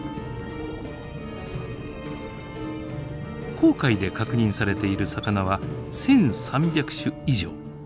紅海で確認されている魚は１，３００種以上。